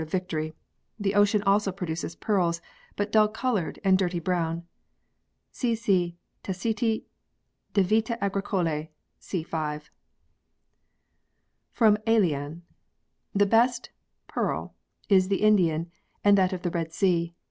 i] THE HISTORY OF PEARLS 5 victory, the ocean also produces pearls, but dull coloured and dirty brown. C. C. Taciti de vita Agricolae c. 5. From Aelian. The best [pearl] is the Indian, and that of the Ked Sea.